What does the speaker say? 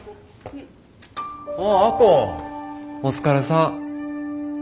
亜子お疲れさん。